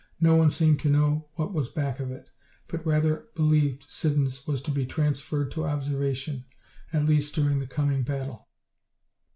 No one seemed to know what was back of it, but rather believed Siddons was to be transferred to Observation, at least during the coming battle.